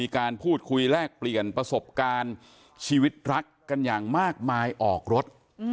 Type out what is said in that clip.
การพูดคุยแลกเปลี่ยนประสบการณ์ชีวิตรักกันอย่างมากมายออกรถ